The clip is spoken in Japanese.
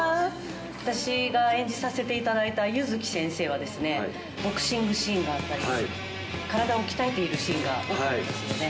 私が演じさせていただいた柚木先生はですね、ボクシングシーンがあったり、体を鍛えているシーンが多かったんですよね。